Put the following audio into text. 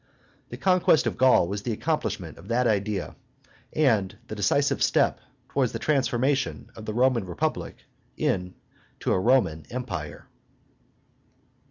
The conquest of Gaul was the accomplishment of that idea, and the decisive step towards the transformation of the Roman republic into a Roman empire.